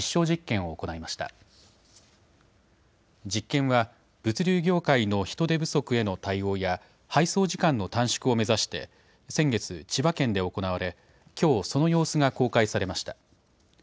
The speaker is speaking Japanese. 実験は、物流業界の人手不足への対応や、配送時間の短縮を目指して、先月、千葉県で行われ、きょう、その様子が公開されました。